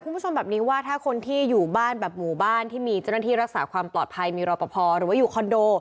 คุณผู้ชมแบบนี้ว่าถ้าคนที่อยู่บ้านแบบหมู่บ้านที่มีเจ้าหน้าที่รักษาความปลอดภัยมีรอปภหรือว่าอยู่คอนโด